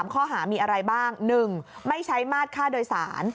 ข้อหามีอะไรบ้าง๑ไม่ใช้มาตรค่าโดยสาร